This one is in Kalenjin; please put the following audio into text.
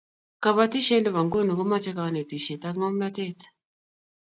kabatisiet nebo ng'uni komache kanetishiet ak ngamnatet